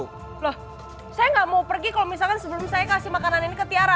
loh saya gak mau pergi kalau misalkan sebelum saya kasih makanan ini ke tiara